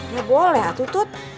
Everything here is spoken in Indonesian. ya boleh atutut